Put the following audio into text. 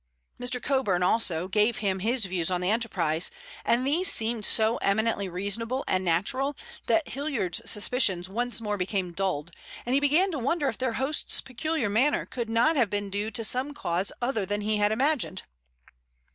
Mr. Coburn, also, gave them his views on the enterprise, and these seemed so eminently reasonable and natural that Hilliard's suspicions once more became dulled, and he began to wonder if their host's peculiar manner could not have been due to some cause other than that he had imagined.